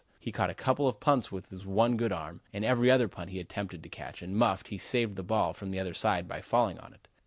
He caught a couple of punts with his one good arm and every other punt he attempted to catch and muffed he saved the ball from the other side by falling on it.